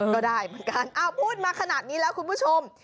ก็ได้เหมือนกันพูดมาขนาดนี้แล้วคุณผู้ชม